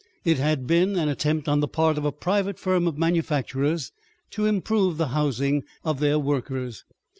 It had been an attempt on the part of a private firm of manufacturers to improve the housing of their workers.